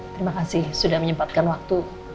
terima kasih sudah menyempatkan waktu